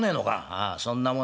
「ああそんなもの